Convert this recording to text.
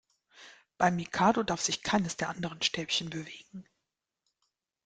Beim Mikado darf sich keines der anderen Stäbchen bewegen.